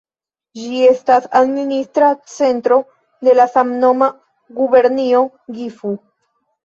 Ĝi estas administra centro de la samnoma gubernio Gifu.